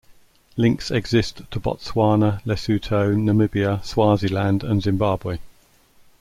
Links exist to Botswana, Lesotho, Namibia, Swaziland, and Zimbabwe.